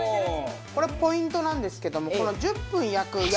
これポイントなんですけどもこの１０分焼く。